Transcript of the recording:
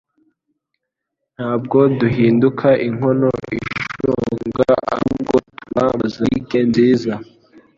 Ntabwo duhinduka inkono ishonga ahubwo tuba mozayike nziza.